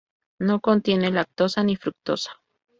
No contiene lactosa ni fructosa.